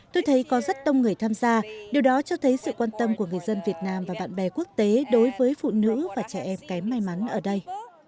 tôi thấy có rất đông người tham gia điều đó cho thấy sự quan tâm của người dân việt nam và bạn bè quốc tế đối với phụ nữ và trẻ em cái may mắn ở đây